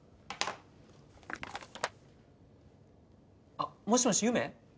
あっもしもし結愛？